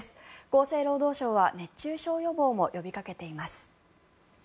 厚生労働省は熱中症予防も呼びかけています。